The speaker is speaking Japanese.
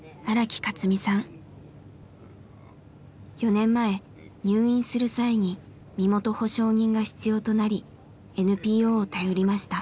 ４年前入院する際に身元保証人が必要となりＮＰＯを頼りました。